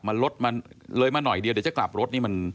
หล่อยหน่อยเดียวเดี๋ยวจะกลับรถ